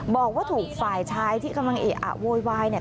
บอกว่าถูกฝ่ายชายที่กำลังเอะอะโวยวายเนี่ย